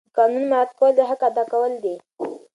د قانون مراعات کول د حق ادا کول دي.